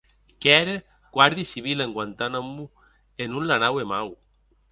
Qu’ère Guardia Civil en Guantanamo e non l’anaue mau.